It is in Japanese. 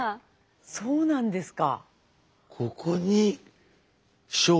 そうなんですか。